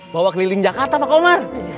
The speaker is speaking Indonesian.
bawa keliling jakarta pak komar